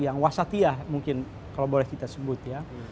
yang wasatiyah mungkin kalau boleh kita sebut ya